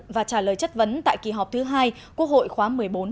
và trả lời chất vấn tại kỳ họp thứ hai quốc hội khóa một mươi bốn